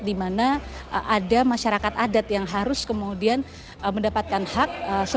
dimana ada masyarakat adat yang harus kemudian mendapatkan hak